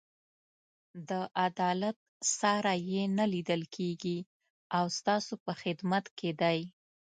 د عدالت ساری یې نه لیدل کېږي او ستاسو په خدمت کې دی.